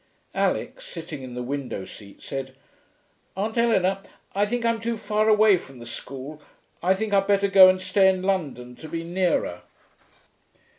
Alix, sitting in the window seat, said, 'Aunt Eleanor, I think I'm too far away from the School. I think I'd better go and stay in London, to be nearer.'